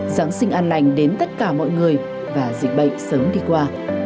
giáng sinh an lành đến tất cả mọi người và dịch bệnh sớm đi qua